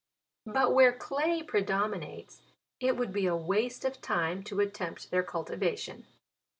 But where clay predominates, it would be a waste of time to attempt their cultivation.